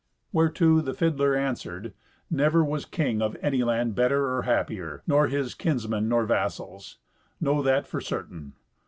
Whereto the fiddler answered, "Never was king of any land better or happier, nor his kinsmen nor vassals; know that for certain.